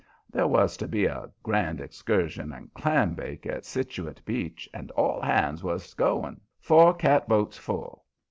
There was to be a grand excursion and clambake at Setuckit Beach and all hands was going four catboats full.